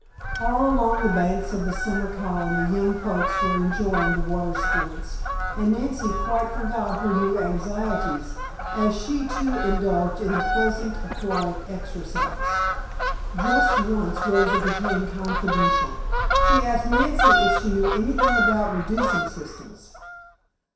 All along the banks of the summer colony young folks were enjoying the water sports, and Nancy quite forgot her new anxieties as she too indulged in the pleasant aquatic exercise. Just once Rosa became confidential. She asked Nancy if she knew anything about reducing systems.